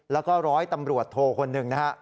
แล้วก็ร้อยตำรวจโทคนหนึ่งนะฮะ